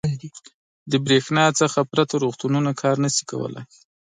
• د برېښنا څخه پرته روغتونونه کار نه شي کولی.